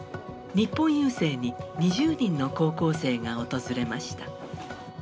日本郵政に２０人の高校生が訪れました。